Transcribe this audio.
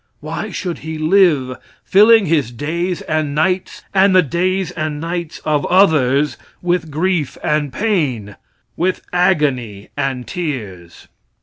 Why should he live, filling his days and nights, and the days and nights of others, with grief and pain, with agony and tears?